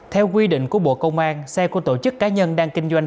theo quy định của bộ công an xe của tổ chức cá nhân đang kinh doanh